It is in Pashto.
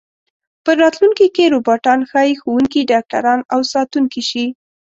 په راتلونکي کې روباټان ښايي ښوونکي، ډاکټران او ساتونکي شي.